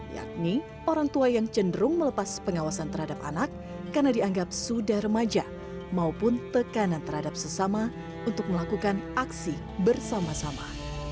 yakni orang tua yang cenderung melepas pengawasan terhadap anak karena dianggap sudah remaja maupun tekanan terhadap sesama untuk melakukan aksi bersama sama